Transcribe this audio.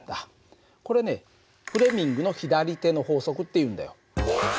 これねフレミングの左手の法則っていうんだよ。